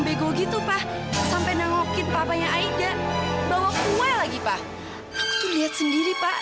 bego gitu pak sampai nengokin papanya aida bawa kue lagi pak tuh lihat sendiri pak